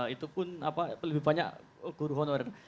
itu pun lebih banyak guru honorer